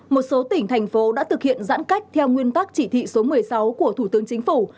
một số tỉnh thành phố đã thực hiện giãn cách theo nguyên tắc chỉ thị số một mươi sáu của thủ tướng chính phủ